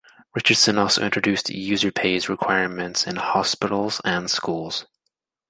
Richardson also introduced user-pays requirements in hospitals and schools.